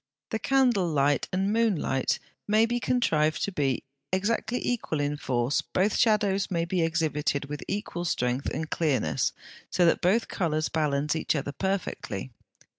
The candle light and moon light may be contrived to be exactly equal in force; both shadows may be exhibited with equal strength and clearness, so that both colours balance each other perfectly.